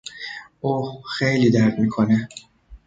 اوه، خیلی درد میکنه!